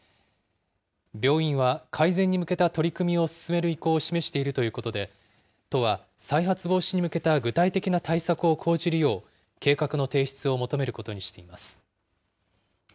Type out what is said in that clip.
病院は改善に向けた取り組みを進める意向を示しているということで、都は、再発防止に向けた具体的な対策を講じるよう、計画の提出を求めることにしています。